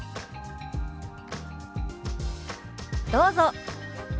どうぞ。